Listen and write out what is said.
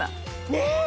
ねえ！